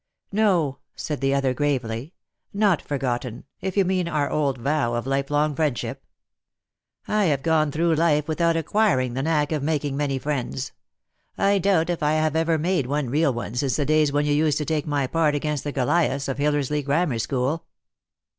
" No," said the other gravely, " not forgotten, if you mean our old vow of life long friendship. I have gone through life without acquiring the knack of making many friends. I doubt if I have ever made one real one since the days when you used to take my part against the Goliaths of Hillersley Grammar school."